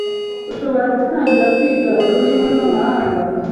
Ushobora gutangira kwiga ururimi rw’amahanga